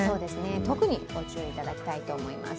特にご注意いただきたいと思います。